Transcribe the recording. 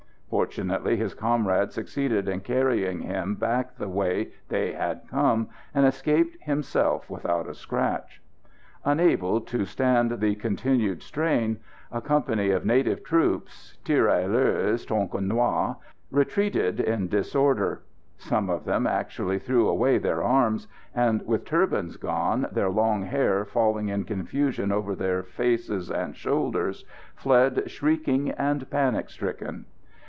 Fortunately, his comrade succeeded in carrying him back the way they had come, and escaped himself without a scratch. Unable to stand the continued strain, a company of native troops tirailleurs Tonkinois retreated in disorder. Some of them actually threw away their arms, and, with turbans gone, their long hair falling in confusion over their face and shoulders, fled shrieking and panic stricken.